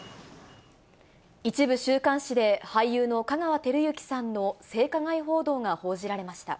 一部週刊誌で、俳優の香川照之さんの性加害報道が報じられました。